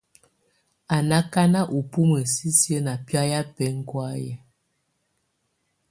Á na akana ubumǝ sisi ná biayɛ bɛkɔ̀áyɛ.